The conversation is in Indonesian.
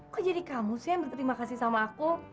kok jadi kamu sih yang berterima kasih sama aku